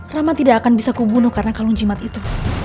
rahmat tidak akan bisa kubunuh karena kalung jimat itu